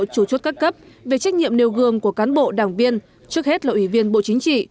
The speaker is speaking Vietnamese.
chủ chốt các cấp về trách nhiệm nêu gương của cán bộ đảng viên trước hết là ủy viên bộ chính trị